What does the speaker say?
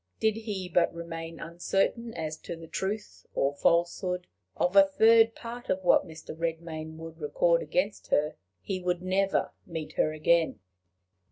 Did he but remain uncertain as to the truth or falsehood of a third part of what Mr. Redmain would record against her, he would never meet her again!